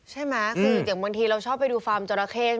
ใช่ไหมคืออย่างบางทีเราชอบไปดูฟาร์มจราเข้